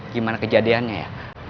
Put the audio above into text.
gimana kejadiannya ya